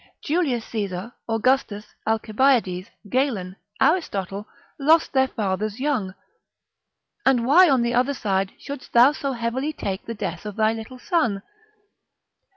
Julius Caesar, Augustus, Alcibiades, Galen, Aristotle, lost their fathers young. And why on the other side shouldst thou so heavily take the death of thy little son?